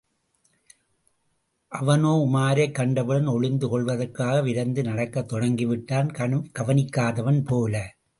அவனோ, உமாரைக் கண்டவுடன், ஒளிந்து கொள்வதற்காக விரைந்து நடக்கத் தொடங்கிவிட்டான் கவனிக்காதவன் போல.